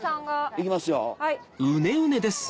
行きますよ。